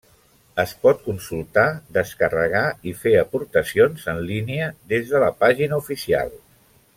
Es pot consultar, descarregar i fer aportacions en línia des de la pàgina oficial.